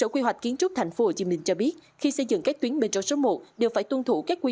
quy hoạch kiến trúc tp hcm cho biết khi xây dựng các tuyến metro số một đều phải tuân thủ các quy